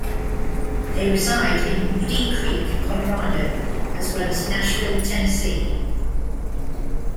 They reside in Woody Creek, Colorado as well as Nashville, Tennessee.